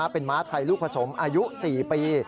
เป็นม้าไทยลูกผสมอายุ๔ปี